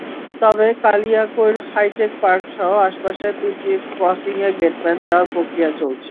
তবে কালিয়াকৈর হাইটেক পার্কসহ আশপাশের তিনটি ক্রসিংয়ে গেটম্যান দেওয়ার প্রক্রিয়া চলছে।